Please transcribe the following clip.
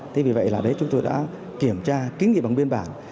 thế vì vậy là đấy chúng tôi đã kiểm tra kinh nghiệm bằng biên bản